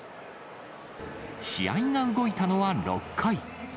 試合が動いたのは６回。